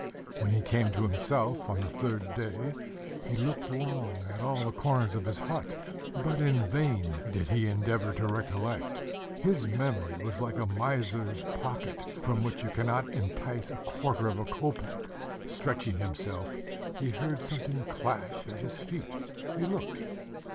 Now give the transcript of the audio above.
When he came to himself, on the third day, he looked long at all the corners of his hut; but in vain did he endeavor to recollect; his memory was like a miser's pocket, from which you cannot entice a quarter of a kopek. Stretching himself, he heard something clash at his feet. He looked